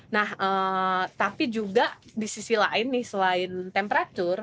nah tapi juga di sisi lain nih selain temperatur